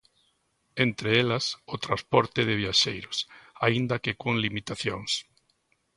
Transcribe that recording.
Entre elas, o transporte de viaxeiros, aínda que con limitacións.